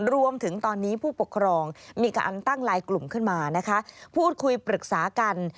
รวมถึงตอนนี้ผู้ปกครองมีการตั้งไลน์กลุ่มขึ้นมานะคะพูดคุยปรึกษากัน